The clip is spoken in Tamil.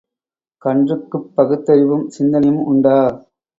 கன்றுக்குப் பகுத்தறிவும் சிந்தனையும் உண்டா?